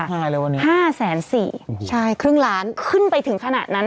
มีค่าเลยวันนี้โอ้โหครึ่งล้าน๕๔แสนขึ้นไปถึงขนาดนั้น